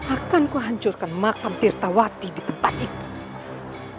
akanku hancurkan makam tirtawati di tempat itu